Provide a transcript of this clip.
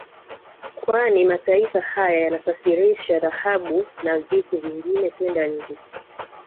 Kwani mataifa haya yanasafirisha dhahabu na vitu vingine kwenda nje